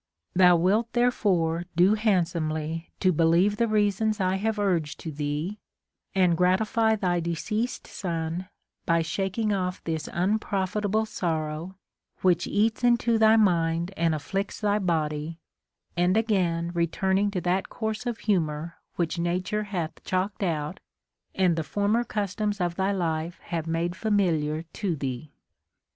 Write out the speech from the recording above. Thou wilt therefore do handsomely to believe the reasons I have urged to thee, and gratify thy deceased son, by shaking off this unprofitable sorrow, which eats into thy mind and af flicts thy body, and again returning to that course of humor which nature hath chalked out and the former customs of thy life have made familiar to thee.